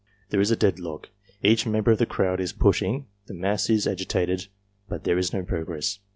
There is a dead lock ; each member of the crowd is pushing, the mass is agitated, but there is no progress.